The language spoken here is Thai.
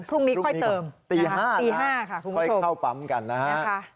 พรุ่งนี้ค่อยเติมตี๕ค่ะคุณผู้ชมค่อยเข้าปั๊มกันนะฮะ